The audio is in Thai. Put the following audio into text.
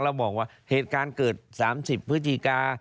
แล้วบอกว่าเหตุการณ์เกิด๓๐พฤศจิกา